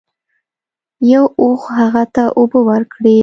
یو اوښ هغه ته اوبه ورکړې.